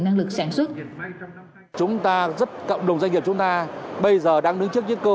năng lực sản xuất chúng ta cộng đồng doanh nghiệp chúng ta bây giờ đang đứng trước những cơ